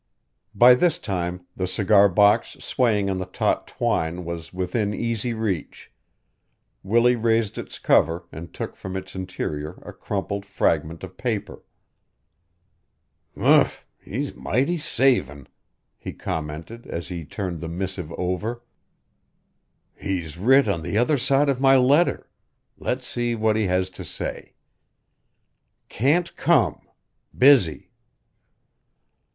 By this time the cigar box swaying on the taut twine was within easy reach. Willie raised its cover and took from its interior a crumpled fragment of paper. "Humph! He's mighty savin'!" he commented as he turned the missive over. "He's writ on the other side of my letter. Let's see what he has to say: "'Can't come. Busy.'